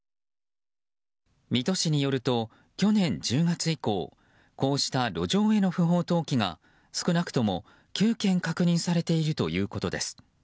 水戸市によると、去年１０月以降こうした路上への不法投棄が少なくとも９件確認されているということです。